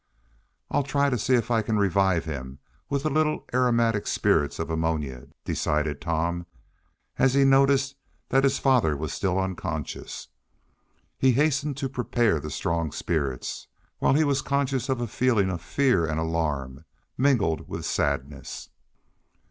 "I'll try to see if I can revive him with a little aromatic spirits of ammonia," decided Tom, as he noticed that his father was still unconscious. He hastened to prepare the strong spirits, while he was conscious of a feeling of fear and alarm, mingled with sadness.